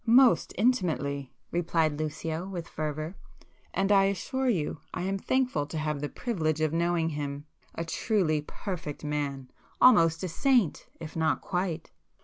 "Most intimately!" replied Lucio with fervour—"and I assure you I am thankful to have the privilege of knowing him. A truly perfect man!—almost a saint—if not quite!"